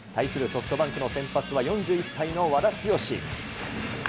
ソフトバンクの先発は４１歳の和田毅。